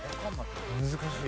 難しい。